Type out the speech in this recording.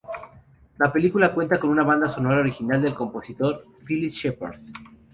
La película cuenta con una banda sonora original del compositor Philip Sheppard.